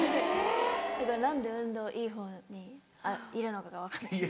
だから何で運動いいほうにいるのかが分かんないです。